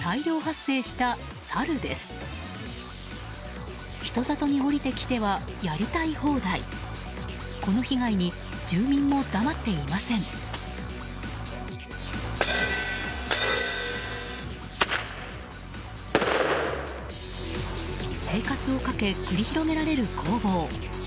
生活をかけ、繰り広げられる攻防。